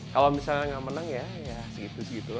kalau misalnya gak menang ya segitu segitu lah